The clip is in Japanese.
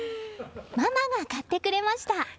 ママが買ってくれました。